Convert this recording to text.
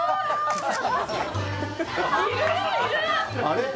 あれ？